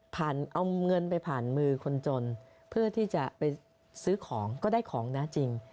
เอาเงินไปผ่านมือคนจนเพื่อที่จะไปซื้อของก็ได้ของนะจริง